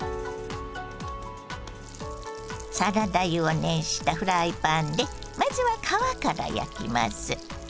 サラダ油を熱したフライパンでまずは皮から焼きます。